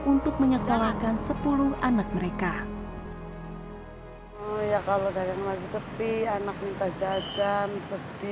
untuk menyekolahkan sepuluh anak mereka ya kalau dari yang lagi sepi anak minta jajan misalnya anak yang lagi sedang menangis